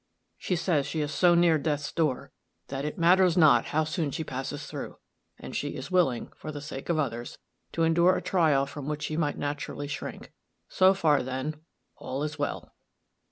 She says she is so near death's door, that it matters not how soon she passes through; and she is willing, for the sake of others, to endure a trial from which she might naturally shrink. So far, then, all is well."